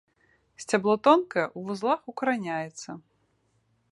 Сцябло тонкае, у вузлах укараняецца.